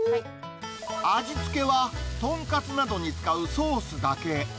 味付けは豚カツなどに使うソースだけ。